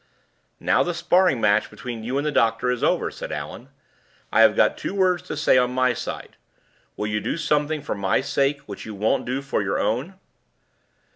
"Now the sparring match between you and the doctor is over," said Allan, "I have got two words to say on my side. Will you do something for my sake which you won't do for your own?"